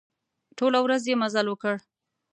ټوله ورځ يې مزل وکړ.